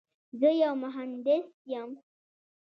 زه یو مهندس یم.